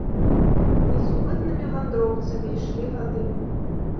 Несупыннымі вандроўцамі ішлі гады.